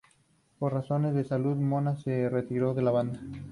Por razones de salud, Mona se retiró de la banda.